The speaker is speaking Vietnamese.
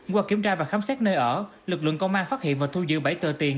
qua kiểm tra và khám xét nơi ở lực lượng công an phát hiện và thu giữ bảy tờ tiền